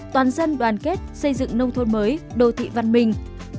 toàn dân đoàn kết xây dựng nông thôn mới đô thị văn minh